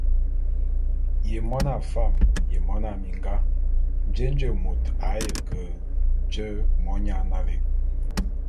Ye mona fam ye mona minga, jé nje môt a ye ke je monyan nalé?